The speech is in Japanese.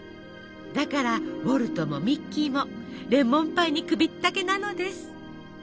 だからウォルトもミッキーもレモンパイに首ったけなのです。